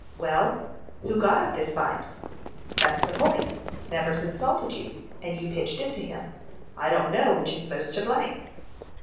"Well, who got up this fight?" "That's the point. Nevers insulted you, and you pitched into him. I don't know which is most to blame."